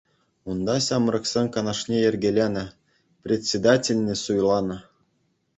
Унта ҫамрӑксен канашне йӗркеленӗ, председательне суйланӑ.